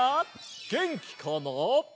げんきかな？